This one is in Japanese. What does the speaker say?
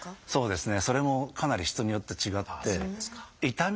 そうですね